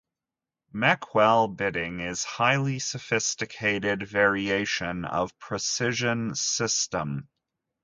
Meckwell bidding is highly sophisticated variation of Precision system.